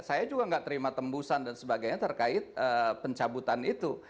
saya juga nggak terima tembusan dan sebagainya terkait pencabutan itu